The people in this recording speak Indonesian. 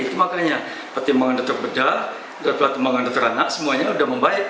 itu makanya pertimbangan dokter bedah pertimbangan dokter anak semuanya sudah membaik